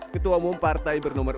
ketua umum partai bernomor